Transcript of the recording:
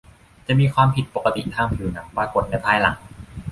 จะมีความผิดปกติทางผิวหนังปรากฏในภายหลัง